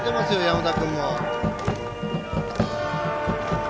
山田君も。